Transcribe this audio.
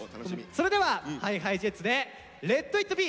それではＨｉＨｉＪｅｔｓで「ＬｅｔＩｔＢｅ」。